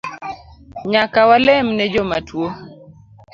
Nyaka walem ne jomatuo